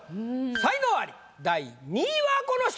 才能アリ第２位はこの人！